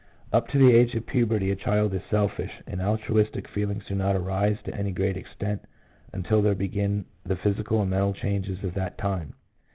Up to the age of puberty a child is selfish, and altru istic feelings do not arise to any great extent until there begin the physical and mental changes of that time.